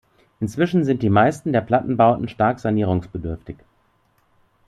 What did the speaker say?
Inzwischen sind die meisten der Plattenbauten stark sanierungsbedürftig.